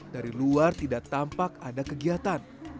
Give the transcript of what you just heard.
dari luar tidak tampak ada kegiatan